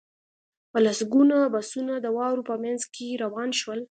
په لسګونه بسونه د واورو په منځ کې روان شول